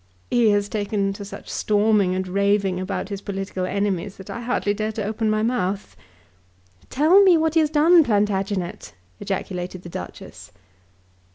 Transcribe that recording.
"He has taken to such storming and raving about his political enemies that I hardly dare to open my mouth." "Tell me what has been done, Plantagenet," ejaculated the Duchess.